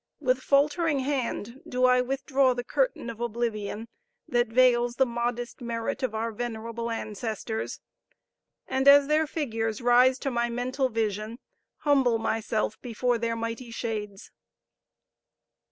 With faltering hand do I withdraw the curtain of oblivion that veils the modest merit of our venerable ancestors, and as their figures rise to my mental vision, humble myself before their mighty shades.